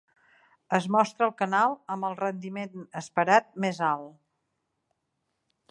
Es mostra el canal amb el rendiment esperat més alt.